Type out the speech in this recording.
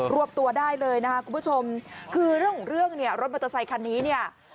รวบตัวได้เลยนะคุณผู้ชมคือเรื่องรถมอเตอร์ไซค์คันนี้เนี่ย